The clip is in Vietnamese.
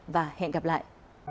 và hẹn gặp lại